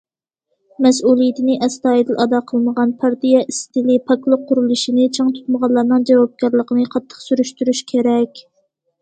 مەسئۇلىيىتىنى ئەستايىدىل ئادا قىلمىغان، پارتىيە ئىستىلى، پاكلىق قۇرۇلۇشىنى چىڭ تۇتمىغانلارنىڭ جاۋابكارلىقىنى قاتتىق سۈرۈشتۈرۈش كېرەك.